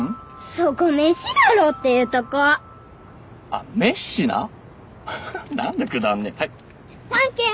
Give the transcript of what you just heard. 「そこメシだろ」って言うとこあっメッシなははっなんだくだんねえはいサンキュー！